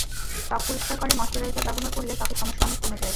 ত্বক পরিষ্কার করে ময়েশ্চারাইজার ব্যবহার করলে ত্বকের সমস্যা অনেক কমে যায়।